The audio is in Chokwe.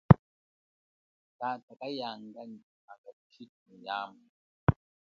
Tata kayanga nyi kuhanga thushitu muyambu.